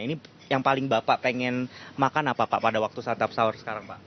ini yang paling bapak pengen makan apa pak pada waktu santap sahur sekarang pak